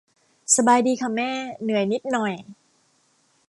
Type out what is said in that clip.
สบายดีค่ะแม่ เหนื่อยนิดหน่อย